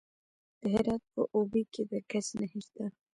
د هرات په اوبې کې د ګچ نښې شته.